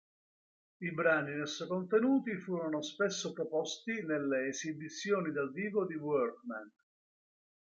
I brani in esso contenuti furono spesso proposti nelle esibizioni dal vivo di Workman.